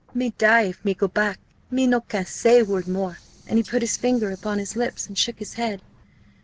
Me die, if me go back! Me no can say word more;" and he put his finger upon his lips, and shook his head.